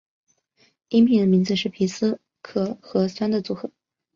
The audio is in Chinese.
饮品的名字是皮斯可和酸的组合。